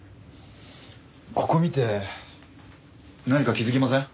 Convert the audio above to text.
ここ見て何か気づきません？